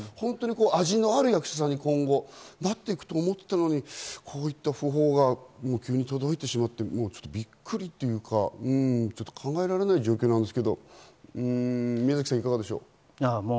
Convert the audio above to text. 味のある役者さんに今後、なっていくと思っていたのに、こういった訃報が急に届いてしまってびっくりというか、考えられないという状況なんですが宮崎さんはどうですか？